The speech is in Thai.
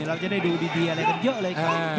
เราจะได้ดูดีอะไรกันเยอะเลยครับ